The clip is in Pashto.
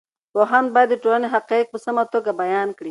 پوهاند باید د ټولنې حقایق په سمه توګه بیان کړي.